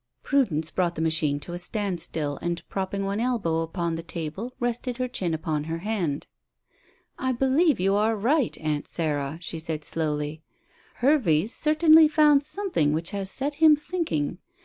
'" Prudence brought the machine to a standstill, and propping one elbow upon the table rested her chin upon her hand. "I believe you are right, Aunt Sarah," she said slowly. "Hervey's certainly found something which has set him thinking.